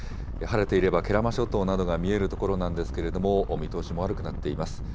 晴れていれば慶良間諸島などが見える所なんですけれども、見通しも悪くなっています。